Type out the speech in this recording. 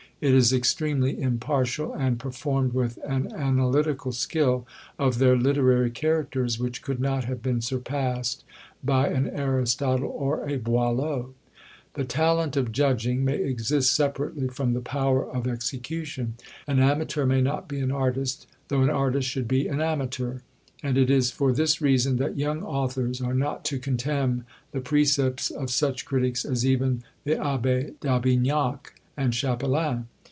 It is extremely impartial, and performed with an analytical skill of their literary characters which could not have been surpassed by an Aristotle or a Boileau. The talent of judging may exist separately from the power of execution. An amateur may not be an artist, though an artist should be an amateur; and it is for this reason that young authors are not to contemn the precepts of such critics as even the Abbé d'Aubignac and Chapelain.